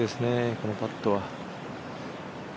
このパットは。